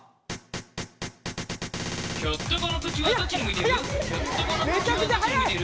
「ひょっとこの口はどっちに向いている？」